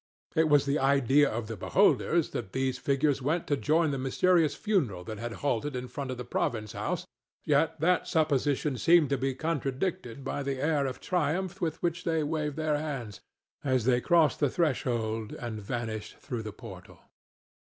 It was the idea of the beholders that these figures went to join the mysterious funeral that had halted in front of the province house, yet that supposition seemed to be contradicted by the air of triumph with which they waved their hands as they crossed the threshold and vanished through the portal.